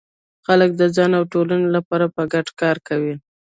خلک د ځان او ټولنې لپاره په ګډه کار کوي.